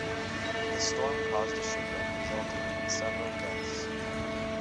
The storm caused a shipwreck resulting in several deaths.